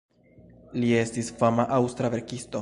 Li estis fama aŭstra verkisto.